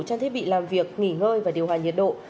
trang thiết bị làm việc nghỉ ngơi và điều hòa nhiệt độ